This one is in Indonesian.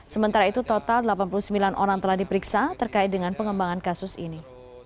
sementara itu total delapan puluh sembilan orang telah diperiksa terkait dengan pengembangan kasus ini